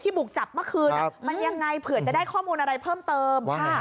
บุกจับเมื่อคืนมันยังไงเผื่อจะได้ข้อมูลอะไรเพิ่มเติม